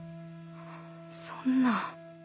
そんな。